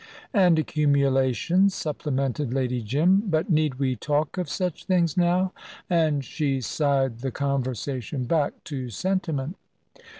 "And accumulations," supplemented Lady Jim; "but need we talk of such things, now?" and she sighed the conversation back to sentiment.